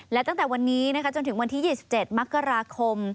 และตั้งแต่วันนี้จนถึงวันที่๒๗มกราคม